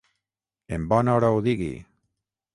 En bona hora ho digui.